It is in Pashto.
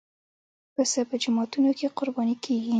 پسه په جوماتونو کې قرباني کېږي.